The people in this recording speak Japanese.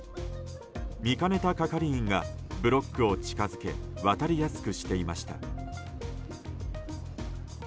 見かねた係員がブロックを近づけ渡りやすくしていました。